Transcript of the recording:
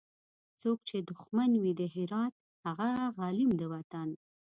څوک چي دښمن وي د هرات هغه غلیم د وطن